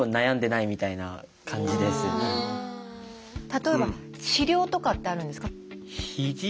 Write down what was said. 例えば治療とかってあるんですか？